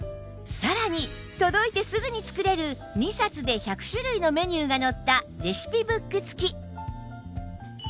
さらに届いてすぐに作れる２冊で１００種類のメニューが載ったレシピブック付き